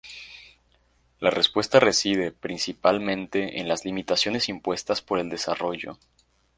La respuesta reside, precisamente, en las limitaciones impuestas por el desarrollo.